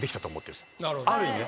ある意味ね。